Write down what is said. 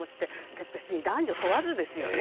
別に男女問わずですよね。